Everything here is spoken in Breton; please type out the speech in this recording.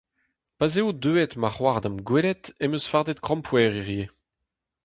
Pa 'z eo deuet ma c'hoar da'm gwelet em eus fardet krampouezh hiziv.